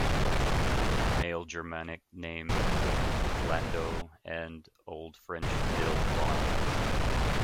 Male Germanic name "Glando" and old French "ville" "farm".